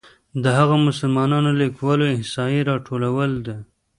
د هغو مسلمانو لیکوالو احصایې راټولول ده.